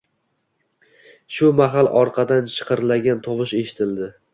Shu mahal orqadan shiqirlagan tovush eshitildi